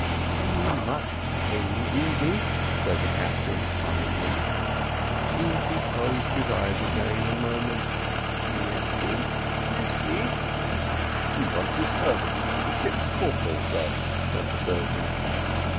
"Are you in much pain, Easy?" said the captain kindly. Easy closed his eyes again, and murmured, "Mesty, Mesty!" "He wants his servant, the ship's corporal, sir," said the surgeon.